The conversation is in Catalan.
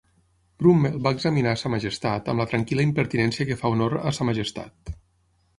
Brummell va examinar a sa Majestat amb la tranquil·la impertinència que fa honor a sa Majestat.